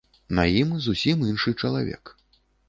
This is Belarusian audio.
На ім зусім іншы чалавек.